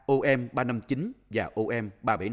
om ba trăm năm mươi chín và om ba trăm bảy mươi năm